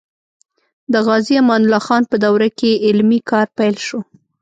د غازي امان الله خان په دوره کې علمي کار پیل شو.